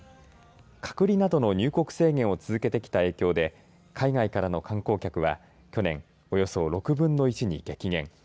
隔離などの入国制限を続けてきた影響で海外からの観光客は去年およそ６分の１に激減。